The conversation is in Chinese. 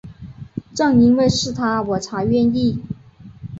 正因为是他我才愿意